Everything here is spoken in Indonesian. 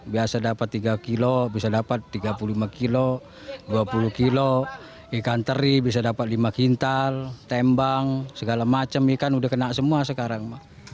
biasa dapat tiga kilo bisa dapat tiga puluh lima kilo dua puluh kilo ikan teri bisa dapat lima kintal tembang segala macam ikan udah kena semua sekarang